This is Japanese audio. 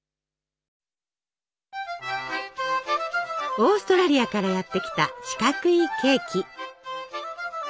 オーストラリアからやって来た四角いケーキ！